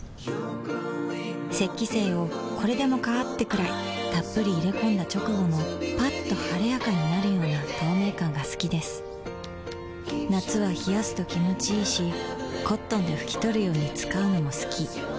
雪肌精をこれでもかーってくらいっぷり入れ込んだ直後のッと晴れやかになるような透明感が好きです夏は冷やすと気持ちいいし灰奪肇で拭き取るように使うのも好き